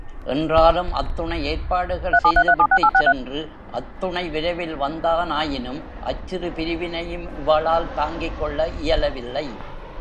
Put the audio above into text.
என்றாலும், அத்துணை ஏற்பாடுகள் செய்துவிட்டுச் சென்று, அத்துணை விரைவில் வந்தானாயினும், அச்சிறு பிரிவினையும் இவளால் தாங்கிக் கொள்ள இயலவில்லை.